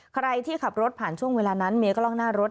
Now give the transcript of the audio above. ใครที่ขับรถผ่านช่วงเวลานั้นมีกล้องหน้ารถ